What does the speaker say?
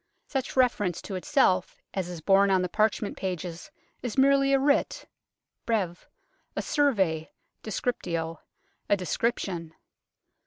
Such reference to itself as is borne on the parchment pages is merely a writ (breve] a " survey " (descriptio) a " descrip tion."